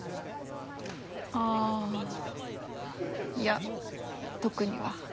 あいや特には。